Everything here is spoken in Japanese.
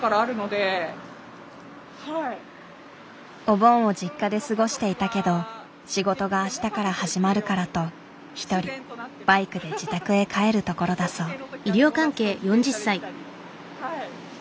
お盆を実家で過ごしていたけど仕事が明日から始まるからと一人バイクで自宅へ帰るところだそう。